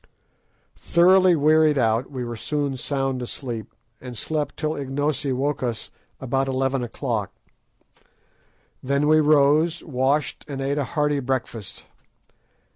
Thoroughly wearied out, we were soon sound asleep, and slept till Ignosi woke us about eleven o'clock. Then we rose, washed, and ate a hearty breakfast.